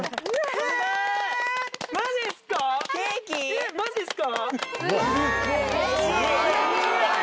えっマジっすか！